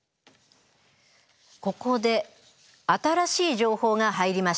ここで新しい情報が入りました。